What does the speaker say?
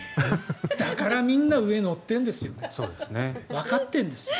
だから、みんな上に乗ってるんですよ。